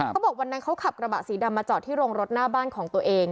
เขาบอกวันนั้นเขาขับกระบะสีดำมาจอดที่โรงรถหน้าบ้านของตัวเอง